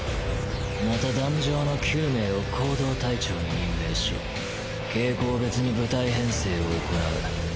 また壇上の９名を行動隊長に任命し傾向別に部隊編成を行う。